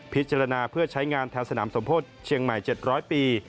พิจารณาเพื่อใช้งานแถวสนามสมโพธิเชียงใหม่๗๐๐ปี